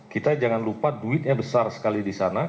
kita jangan lupa duitnya besar sekali di sana